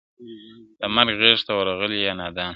د مرګ غېږ ته ورغلی یې نادانه!!